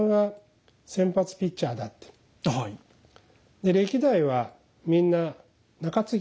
で歴代はみんな中継ぎ。